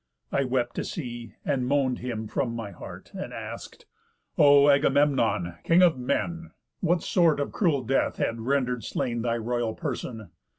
I wept to see, and moan'd him from my heart, And ask'd: 'O Agamemnon! King of men! What sort of cruel death hath render'd slain Thy royal person?